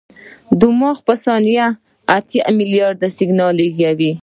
دماغ په ثانیه اتیا ملیارده سیګنال لېږي.